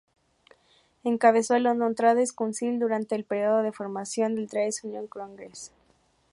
Encabezó el "London Trades Council" durante el periodo de formación del "Trades Union Congress".